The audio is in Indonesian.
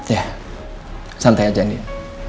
ya santai aja andin